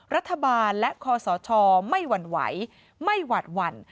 รัฐบาลและคอสชไม่หวั่นไหวไม่หวาดหวั่น